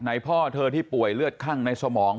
พ่อเธอที่ป่วยเลือดคั่งในสมอง